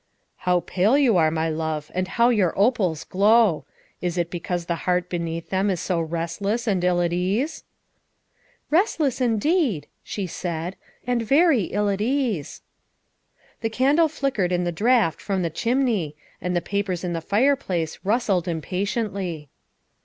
" How pale you are, my love, and how your opals glow. Is it because the heart beneath them is so restless and ill at ease?" '' Restless indeed, '' she said, '' and very ill at ease. '' The candle flickered in the draught from the chimney and the papers in the fireplace rustled impatiently.